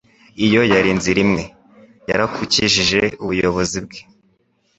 Iyo yari inzira imwe Alex yari yarakurikije ubuyobozi bwe.